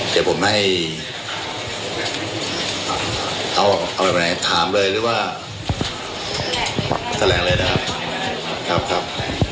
เดี๋ยวผมให้เอาแบบไหนถามเลยหรือว่าแสดงเลยนะครับ